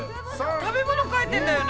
食べ物描いてんだよね？